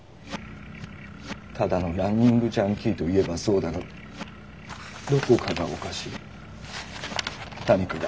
ただのランニングジャンキーといえばそうだがどこかがおかしい。何かが。